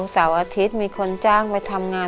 เสาร์อาทิตย์มีคนจ้างไปทำงาน